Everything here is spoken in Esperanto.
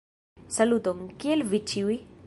Saluton, Kiel vi ĉiuj?